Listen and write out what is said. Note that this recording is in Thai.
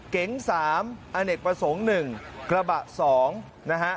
เก๋ง๓อเนกประสงค์๑กระบะ๒นะฮะ